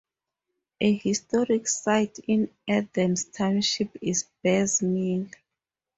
A historic site in Adams Township is Bear's Mill.